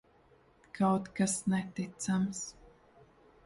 Kaut kas neticams.